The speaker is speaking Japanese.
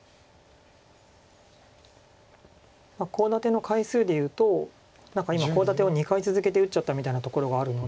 コウ立ての回数でいうと今コウ立てを２回続けて打っちゃったみたいなところがあるので。